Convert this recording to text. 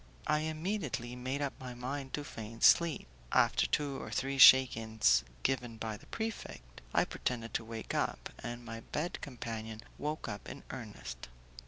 I immediately made up my mind to feign sleep. After two or three shakings given by the prefect, I pretended to wake up, and my bed companion woke up in earnest.